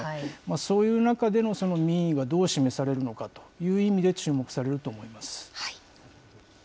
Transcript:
そういう中での民意が、どう示されるのかという意味で注目されると思います。